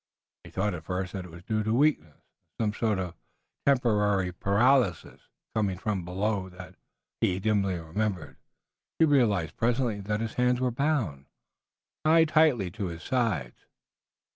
He thought at first that it was due to weakness, a sort of temporary paralysis, coming from the blow that he dimly remembered, but he realized presently that his hands were bound, tied tightly to his sides.